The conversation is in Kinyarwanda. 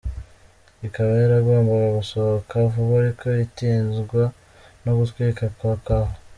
Ikaba yaragombaga gusohoka vuba ariko itinzwa no gutwita kwa Carla.